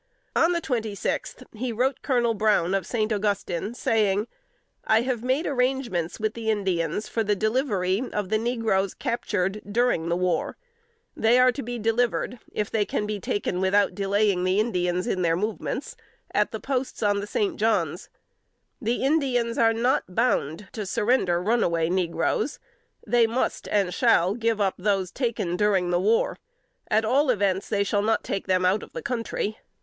On the twenty sixth, he wrote Colonel Brown, of St. Augustine, saying: "I have made arrangements with the Indians for the delivery of the negroes captured during the war. They are to be delivered, if they can be taken without delaying the Indians in their movements, at the posts on the St. John's. The Indians are not bound to surrender runaway negroes. They must, and shall, give up those taken during the war: at all events, they shall not take them out of the country.